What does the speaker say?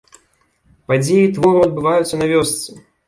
Падзеі твору адбываюцца на вёсцы.